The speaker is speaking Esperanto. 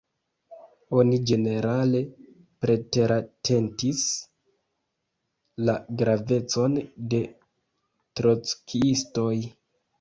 Oni ĝenerale preteratentis la gravecon de trockiistoj.